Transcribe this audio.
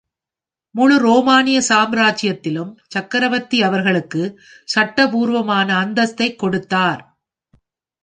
முழு ரோமானிய சாம்ராஜ்யத்திலும் சக்கரவர்த்தி அவர்களுக்கு சட்டபூர்வமான அந்தஸ்தைக் கொடுத்தார்.